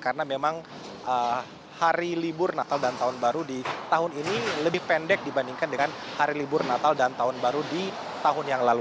karena memang hari libur natal dan tahun baru di tahun ini lebih pendek dibandingkan dengan hari libur natal dan tahun baru di tahun yang lalu